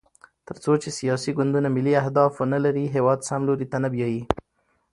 تر څو چې سیاسي ګوندونه ملي اهداف ونلري، هېواد سم لوري ته نه بیايي.